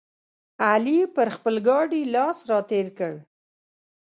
علي پر خپل ګاډي لاس راتېر کړ.